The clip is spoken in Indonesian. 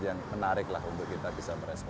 yang menarik lah untuk kita bisa merespon